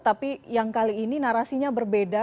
tapi yang kali ini narasinya berbeda